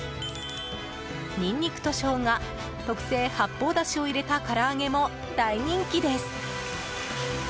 ニンニクとショウガ特製八方だしを入れたから揚げも大人気です。